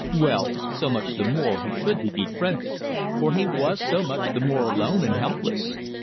Well, so much the more he should be befriended, for he was so much the more alone and helpless.